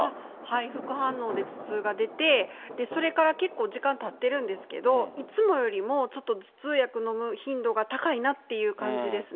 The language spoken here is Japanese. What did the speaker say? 副反応で頭痛が出て、それから結構時間たってるんですけど、いつもよりも、ちょっと頭痛薬のむ頻度が高いなっていう感じですね。